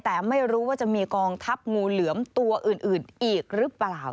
แต่ไม่รู้ว่าจะมีกองทัพงูเหลือมตัวอื่นอีกหรือเปล่า